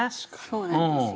そうなんですよ。